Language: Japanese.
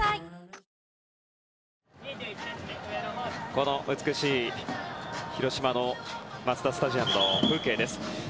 この美しい広島のマツダスタジアムの風景です。